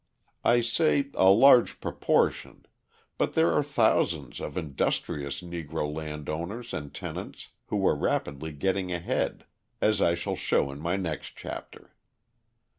I say "a large proportion" but there are thousands of industrious Negro landowners and tenants who are rapidly getting ahead as I shall show in my next chapter.